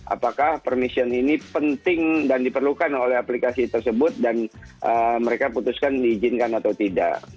apakah permission ini penting dan diperlukan oleh aplikasi tersebut dan mereka putuskan diizinkan atau tidak